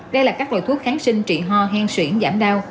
đây là các loại thuốc kháng sinh trị ho hen xuyển giảm đau